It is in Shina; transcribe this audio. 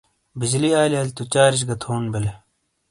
بجلی آلیالی تو چارج گہ تھون بیلے۔